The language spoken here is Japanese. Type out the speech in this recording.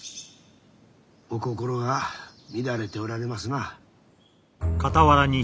お心が乱れておられますな。